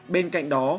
bên cạnh đó